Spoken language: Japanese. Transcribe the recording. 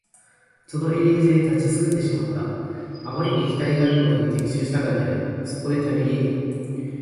その入り口で立ちすくんでしまった。あまりに期待がみごとに的中したからである。そこで旅芸人